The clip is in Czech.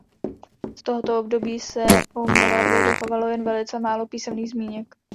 Z tohoto období se o Moravě dochovalo jen velice málo písemných zmínek.